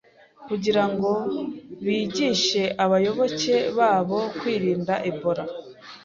kugira ngo bigishe abayoboke babo kwirinda Ebola